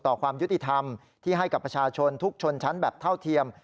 ความยุติธรรมที่ให้กับประชาชนทุกชนชั้นแบบเท่าเทียม